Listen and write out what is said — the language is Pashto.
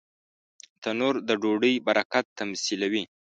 تنور د ډوډۍ برکت تمثیلوي